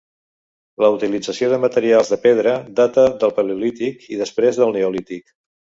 La utilització de materials de pedra data del paleolític i després del neolític.